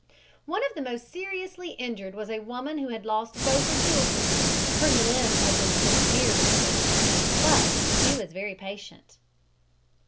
One of the most seriously injured was a woman who had lost both her children. Her limbs had been severely torn; but she was very patient.